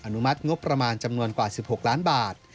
นุมัติงบประมาณจำนวนกว่า๑๖ล้านบาท